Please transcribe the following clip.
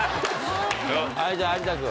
はいじゃあ有田君。